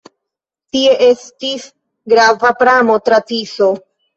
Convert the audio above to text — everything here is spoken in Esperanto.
Tie estis grava pramo tra Tiso.